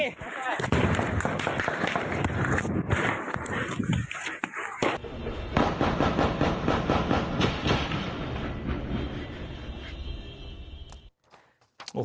เราแล้ว